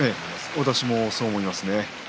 私もそう思います。